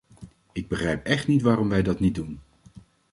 Ik begrijp echt niet waarom wij dat niet doen.